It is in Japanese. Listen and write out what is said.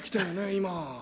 今。